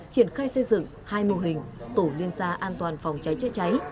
triển khai xây dựng hai mô hình tổ liên gia an toàn phòng cháy chữa cháy